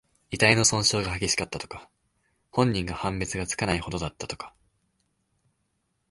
遺体の損傷が激しかった、とか。本人か判別がつかないほどだった、とか。